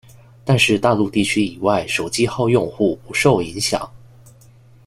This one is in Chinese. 但是大陆地区以外手机号用户不受影响。